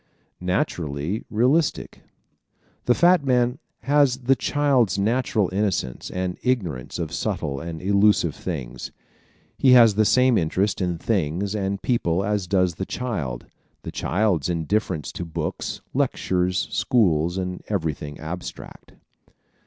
Naturally Realistic ¶ The fat man has the child's natural innocence and ignorance of subtle and elusive things. He has the same interest in things and people as does the child; the child's indifference to books, lectures, schools and everything abstract.